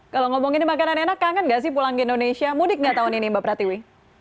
kalau ngomongin makanan enak kangen gak sih pulang ke indonesia mudik nggak tahun ini mbak pratiwi